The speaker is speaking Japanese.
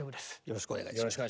よろしくお願いします。